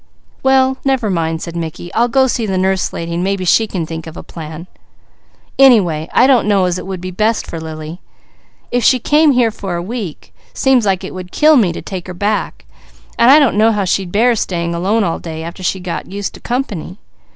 "Well never mind," said Mickey. "I'll go see the Nurse Lady and maybe she can think of a plan. Anyway I don't know as it would be best for Lily. If she came here a week, seems like it would kill me to take her back, and I don't know how she'd bear staying alone all day, after she had got used to company.